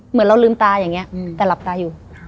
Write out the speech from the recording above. เหมือนเราลืมตาอย่างนี้แต่หลับตาอยู่